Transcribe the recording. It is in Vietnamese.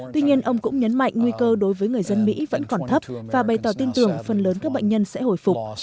tuy nhiên ông cũng nhấn mạnh nguy cơ đối với người dân mỹ vẫn còn thấp và bày tỏ tin tưởng phần lớn các bệnh nhân sẽ hồi phục